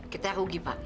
kita rugi pak